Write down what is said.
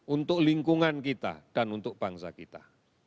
untuk lingkungan kita dan untuk bangsa kita